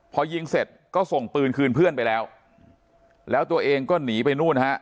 พอยิงเสร็จก็ส่งปืนคืนเพื่อนไปแล้วแล้วตัวเองก็หนีไปนู่นฮะ